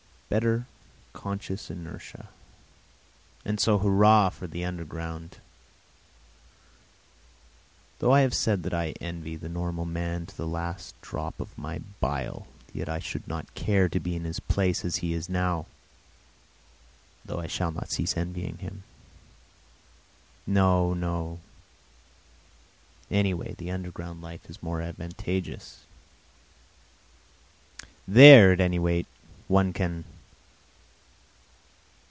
Better conscious inertia! And so hurrah for underground! Though I have said that I envy the normal man to the last drop of my bile, yet I should not care to be in his place such as he is now (though I shall not cease envying him). No, no; anyway the underground life is more advantageous. There, at any rate, one can